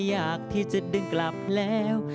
อยากที่จะดึงกลับแล้ว